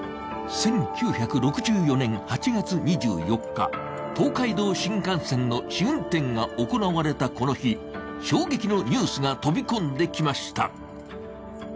１９６４年８月２４日東海道新幹線の試運転が行われたこの日衝撃のニュースが飛び込んできました。